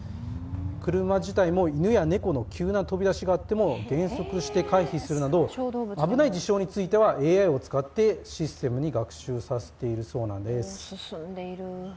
車自体も犬や猫の急な飛び出しがあっても減速して回避するなど、危ない事象についてはＡＩを使ってシステムに学習させてるそうなんです。